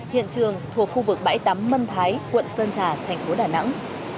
hiện trường thuộc khu vực bãi tắm mân thái quận sơn trà thành phố đà nẵng